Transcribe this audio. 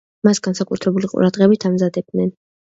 მას განსაკუთრებული ყურადღებით ამზადებდნენ.